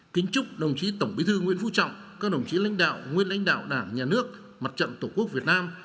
kính chúc đồng chí tổng bí thư nguyễn phú trọng các đồng chí lãnh đạo nguyên lãnh đạo đảng nhà nước mặt trận tổ quốc việt nam